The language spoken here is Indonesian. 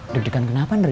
deg degan kenapa neri